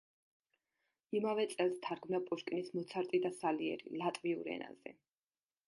იმავე წელს თარგმნა პუშკინის „მოცარტი და სალიერი“ ლატვიურ ენაზე.